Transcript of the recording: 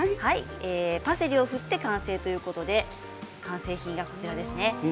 パセリを振って完成ということで完成品がこちらです。